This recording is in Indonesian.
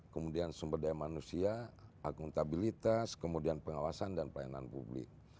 kemudian sumber daya manusia akuntabilitas kemudian pengawasan dan pelayanan publik